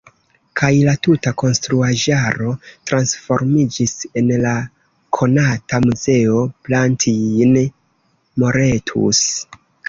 Kaj la tuta konstruaĵaro transformiĝis en la konata Muzeo Plantijn-Moretus.